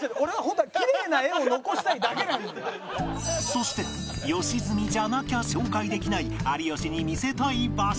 そして良純じゃなきゃ紹介できない有吉に見せたい場所